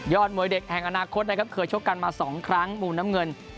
มวยเด็กแห่งอนาคตนะครับเคยชกกันมา๒ครั้งมุมน้ำเงิน